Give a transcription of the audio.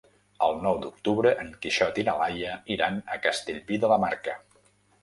El nou d'octubre en Quixot i na Laia iran a Castellví de la Marca.